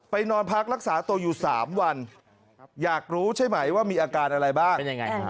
นอนพักรักษาตัวอยู่๓วันอยากรู้ใช่ไหมว่ามีอาการอะไรบ้าง